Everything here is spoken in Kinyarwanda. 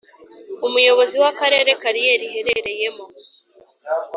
Umuyobozi w Akarere kariyeri iherereyemo